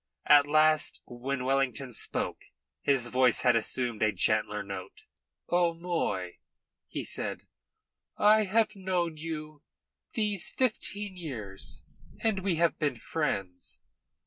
At last when Wellington spoke his voice had assumed a gentler note. "O'Moy," he said, "I have known you these fifteen years, and we have been friends.